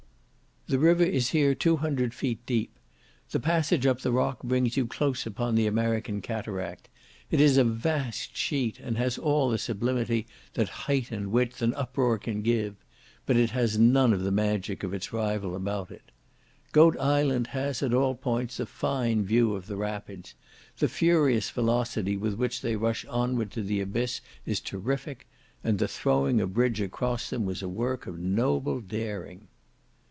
The river is here two hundred feet deep. The passage up the rock brings you close upon the American cataract; it is a vast sheet, and has all the sublimity that height and width, and uproar can give; but it has none of the magic of its rival about it. Goat Island has, at all points, a fine view of the rapids; the furious velocity with which they rush onward to the abyss is terrific; and the throwing a bridge across them was a work of noble daring.